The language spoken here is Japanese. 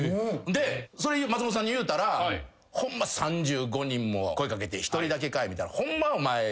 それ松本さんに言うたら「ホンマ３５人も声掛けて１人だけかい」みたいな。